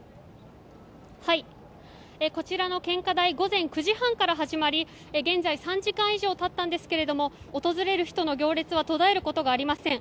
こちらの献花台午前９時半から始まり現在、３時間以上たったんですが訪れる人の行列は途絶えることがありません。